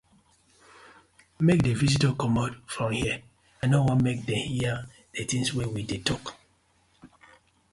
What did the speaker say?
Mak di visitors comot from here I no wan mek dem hear di tinz wey we dey tok.